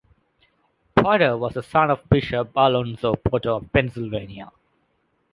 Potter was the son of Bishop Alonzo Potter of Pennsylvania.